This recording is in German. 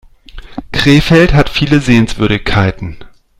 Krefeld hat viele Sehenswürdigkeiten